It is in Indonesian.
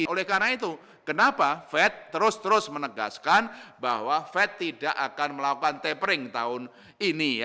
oleh karena itu kenapa fed terus terus menegaskan bahwa fed tidak akan melakukan tapering tahun ini